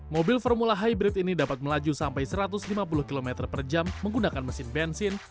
mobil formula hybrid ini dapat melaju sampai satu ratus lima puluh km per jam menggunakan mesin bensin